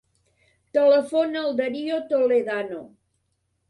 Telefona al Dario Toledano.